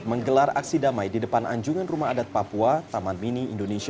menggelar aksi damai di depan anjungan rumah adat papua taman mini indonesia